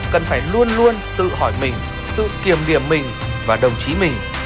cần phải luôn luôn tự hỏi mình tự kiềm điểm mình và đồng chí mình